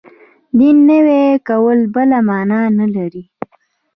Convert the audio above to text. دین نوی کول بله معنا نه لري.